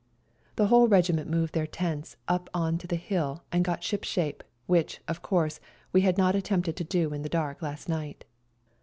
The whole regiment moved their tents up on to the hill and got ship shape, which, of com'se, we had not attempted to do in the dark last night.